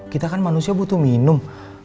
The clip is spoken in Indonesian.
kita kan manusia butuh minum